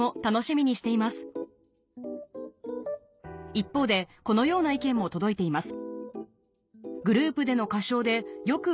一方でこのような意見も届いています